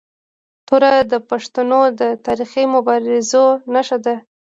توره د پښتنو د تاریخي مبارزو نښه ده.